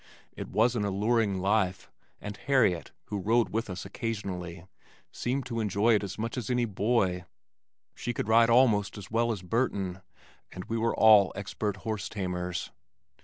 It was an alluring life, and Harriet, who rode with us occasionally, seemed to enjoy it quite as much as any boy. She could ride almost as well as Burton, and we were all expert horse tamers.